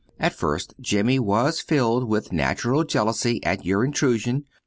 At first Jimmy was filled with natural jealousy at your intrusion.